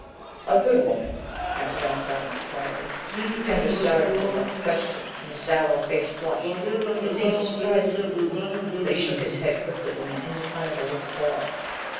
"A good woman?" asked John Silence quietly. Pender started a little at the question and his sallow face flushed; it seemed to surprise him. But he shook his head quickly with an indefinable look of horror.